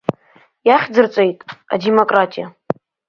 Иахьӡырҵеит адемократиа.